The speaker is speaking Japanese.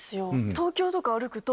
東京とか歩くと。